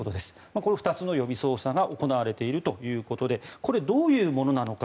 これ、２つの予備捜査が行われているということでこれはどういうものなのか。